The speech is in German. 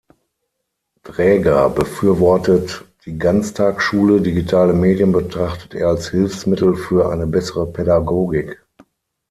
Dräger befürwortet die Ganztagsschule, digitale Medien betrachtet er als Hilfsmittel für eine bessere Pädagogik.